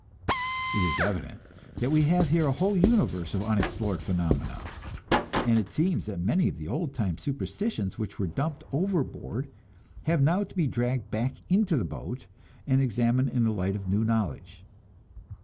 It is evident that we have here a whole universe of unexplored phenomena; and it seems that many of the old time superstitions which were dumped overboard have now to be dragged back into the boat and examined in the light of new knowledge.